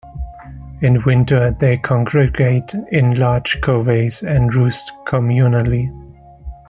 In winter they congregate in large coveys and roost communally.